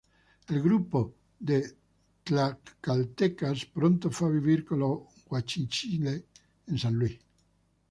Un grupo de tlaxcaltecas pronto fue a vivir con los guachichiles en San Luis.